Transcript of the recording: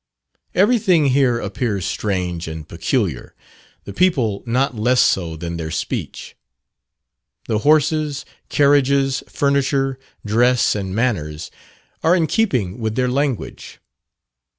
Everything here appears strange and peculiar the people not less so than their speech. The horses, carriages, furniture, dress, and manners, are in keeping with their language.